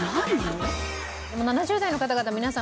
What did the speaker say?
７０代の方々皆さん